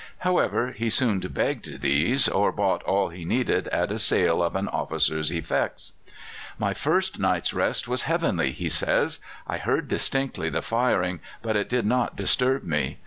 However, he soon begged these or bought all he needed at a sale of an officer's effects. "My first night's rest was heavenly," he says. "I heard distinctly the firing, but it did not disturb me.